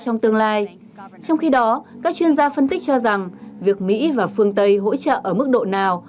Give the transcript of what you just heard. nước trong khi đó các chuyên gia phân tích cho rằng việc mỹ và phương tây hỗ trợ ở mức độ nào